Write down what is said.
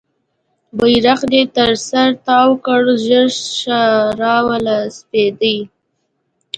بیرغ دې تر سر تاو کړه ژر شه راوله سپیدې